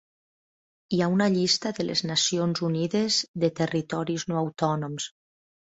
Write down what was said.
Hi ha una llista de les Nacions Unides de territoris no autònoms.